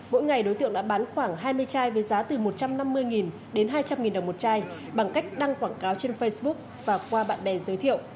mỗi ngày đối tượng đã bán khoảng hai mươi chai với giá từ một trăm năm mươi đến hai trăm linh đồng một chai bằng cách đăng quảng cáo trên facebook và qua bạn bè giới thiệu